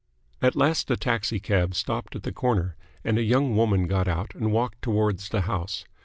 At last a taxi cab stopped at the corner, and a young woman got out and walked towards the house.